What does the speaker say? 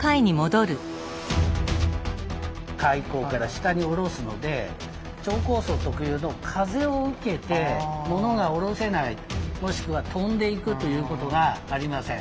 開口から下に下ろすので超高層特有の風を受けて物が下ろせないもしくは飛んでいくということがありません。